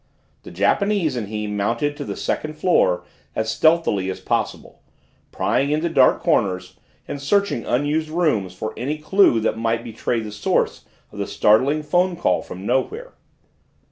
The Japanese and he mounted to the second floor as stealthily as possible, prying into dark corners and searching unused rooms for any clue that might betray the source of the startling phone call from nowhere.